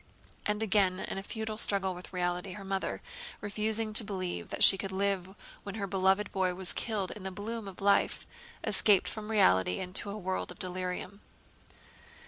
And again in a futile struggle with reality her mother, refusing to believe that she could live when her beloved boy was killed in the bloom of life, escaped from reality into a world of delirium.